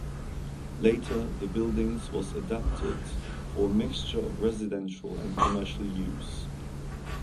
Later the buildings was adapted for a mixture of residential and commercial use.